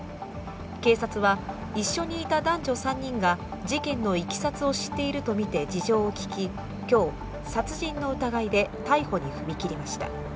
警察は一緒にいた男女３人が事件のいきさつを知っているとみて事情を聴き、今日、殺人の疑いで逮捕に踏み切りました。